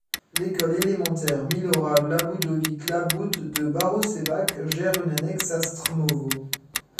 L'école élémentaire Milorad Labudović Labud de Baroševac gère une annexe à Strmovo.